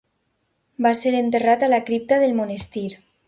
Va ser enterrat a la cripta del monestir.